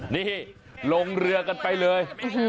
นี่ลงเรือกันไปเลย